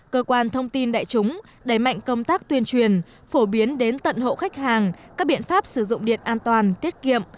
cơ quan thông tin đại chúng đẩy mạnh công tác tuyên truyền phổ biến đến tận hộ khách hàng các biện pháp sử dụng điện an toàn tiết kiệm